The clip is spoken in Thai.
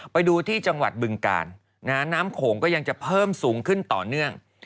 ไปดูที่จังหวัดบึงกาลน้ำโขงก็ยังจะเพิ่มสูงขึ้นต่อเนื่อง